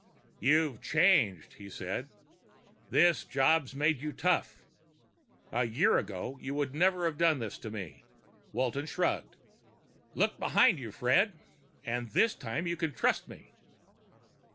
"You've changed," he said. "This job's made you tough. A year ago you would never have done this to me." Walton shrugged. "Look behind you, Fred. And this time you can trust me."